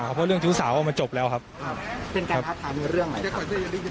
เพราะว่าเรื่องชู้สาวออกมาจบแล้วครับครับเป็นการท้าทายเรื่องไหนครับ